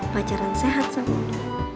pelajaran sehat sama lo